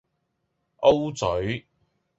O 嘴